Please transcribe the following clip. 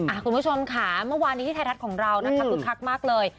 คุณผู้ชมค่ะเมื่อวานนี้ที่ไทยรัฐของเรานะคะคึกคักมากเลย